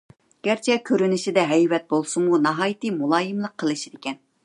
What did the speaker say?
گەرچە كۆرۈنۈشىدە ھەيۋەت بولسىمۇ ناھايىتى مۇلايىملىق قىلىشىدىكەن.